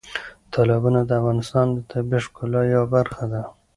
تالابونه د افغانستان د طبیعي ښکلا یوه برخه ده.